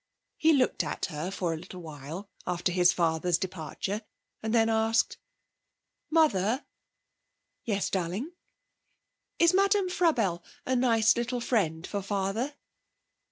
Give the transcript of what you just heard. He looked at her for a little while after his father's departure and then asked: 'Mother!' 'Yes, darling.' 'Is Madame Frabelle a nice little friend for father?'